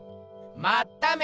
まっため！